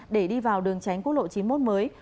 để đi vào đường tránh quốc lộ chín mươi một mới